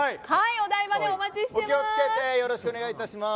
お台場でお待ちしてます。